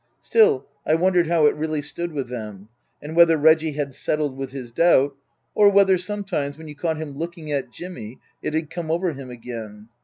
Still, I wondered how it really stood with them ; and whether Reggie had settled with his doubt, or whether sometimes, when you caught him looking at Jimmy, it had come over him again.